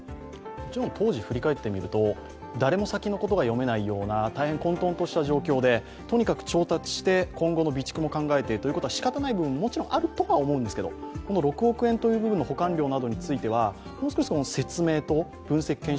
もちろん当時を振り返ってみると誰も先のことが読めないような、大変混とんとした状況でとにかく調達して、今後の備蓄も考えてというのはしかたない部分もあると思うんですが６億円という部分の保管量などについてもう少し説明と分析、検証